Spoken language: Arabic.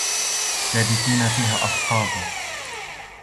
لابثين فيها أحقابا